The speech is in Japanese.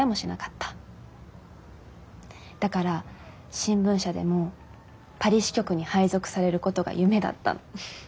だから新聞社でもパリ支局に配属されることが夢だった。